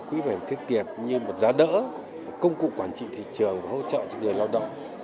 quỹ bảo hiểm thất nghiệp như một giá đỡ một công cụ quản trị thị trường và hỗ trợ cho người lao động